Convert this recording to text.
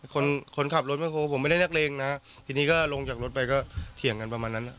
คนคนขับรถแคลผมไม่ได้นักเลงนะทีนี้ก็ลงจากรถไปก็เถียงกันประมาณนั้นอ่ะ